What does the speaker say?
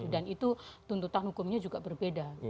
dan itu tuntutan hukumnya juga berbeda